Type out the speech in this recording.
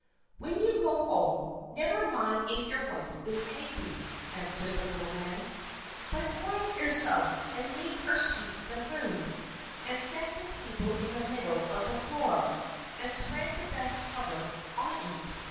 "When you go home, never mind if your wife is angry," answered the little man, "but quiet yourself, and make her sweep the room, and set the table in the middle of the floor, and spread the best cover on it.